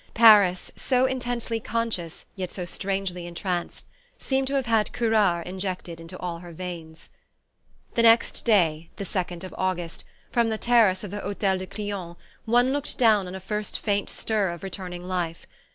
Paris, so intensely conscious yet so strangely entranced, seemed to have had curare injected into all her veins. The next day the 2nd of August from the terrace of the Hotel de Crillon one looked down on a first faint stir of returning life.